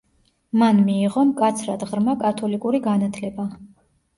მან მიიღო მკაცრად ღრმა კათოლიკური განათლება.